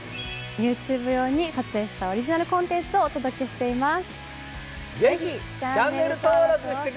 ＹｏｕＴｕｂｅ用に撮影したオリジナルコンテンツをお届けしています。